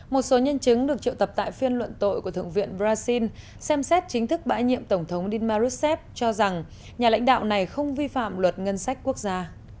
một số nhân chứng được triệu tập tại phiên luận tội của thượng viện brazil xem xét chính thức bãi nhiệm tổng thống di marcep cho rằng nhà lãnh đạo này không vi phạm luật ngân sách quốc gia